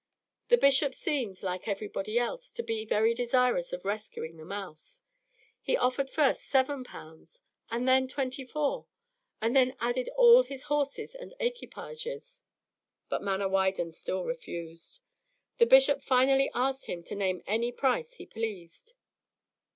The bishop seemed, like everybody else, to be very desirous of rescuing the mouse; he offered first seven pounds, and then twenty four, and then added all his horses and equipages; but Manawydan still refused. The bishop finally asked him to name any price he pleased.